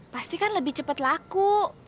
pasti kan lebih cepat laku